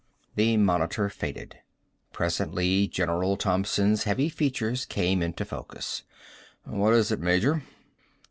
The monitor faded. Presently General Thompson's heavy features came into focus. "What is it, Major?"